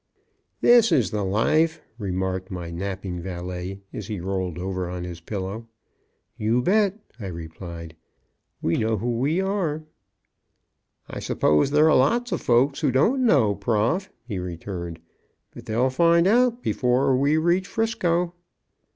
"This is life," remarked my napping valet, as he rolled over on his pillow. "You bet," I replied; "we know who we are." "I suppose there are lots of folks who don't know, Prof," he returned; "but they'll find out before we reach 'Frisco."